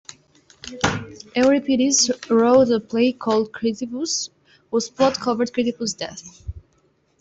Euripides wrote a play called "Chrysippus" whose plot covered Chrysippus' death.